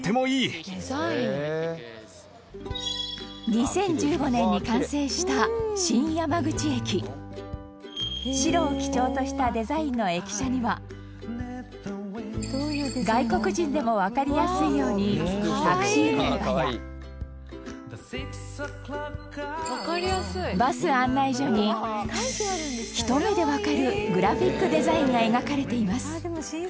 ２０１５年に完成した新山口駅白を基調としたデザインの駅舎には外国人でもわかりやすいようにタクシー乗り場やバス案内所にひと目でわかるグラフィックデザインが描かれています